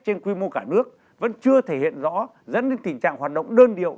trên quy mô cả nước vẫn chưa thể hiện rõ dẫn đến tình trạng hoạt động đơn điệu